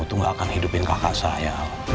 itu gak akan hidupin kakak saya